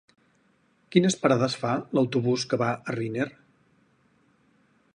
Quines parades fa l'autobús que va a Riner?